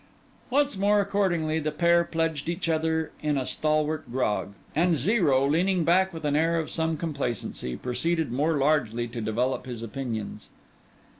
Once more accordingly the pair pledged each other in a stalwart grog; and Zero, leaning back with an air of some complacency, proceeded more largely to develop his opinions.